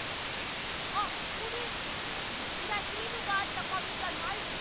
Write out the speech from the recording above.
あっこれキラキラシールがあったかみじゃない？